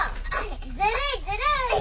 ずるいずるい！